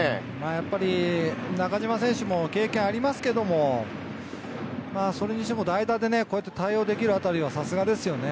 やっぱり中島選手も経験ありますけれども、それにしても代打でこうやって対応できるあたりはさすがですよね。